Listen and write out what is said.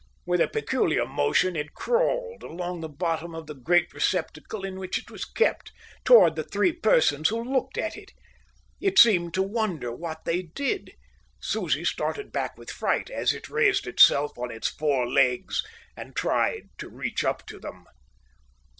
With a peculiar motion it crawled along the bottom of the great receptacle in which it was kept, towards the three persons who looked at it. It seemed to wonder what they did. Susie started back with fright, as it raised itself on its four legs and tried to reach up to them.